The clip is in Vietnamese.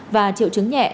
và triệu chứng nhẹ